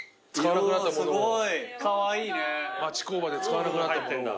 町工場で使わなくなった物を。